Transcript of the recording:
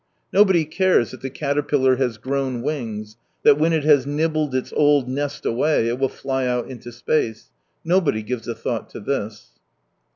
Nobody cares that the caterpillar has grown wings, that when it has nibbled its old nest away it will fly out into space — nobody gives a thought to this.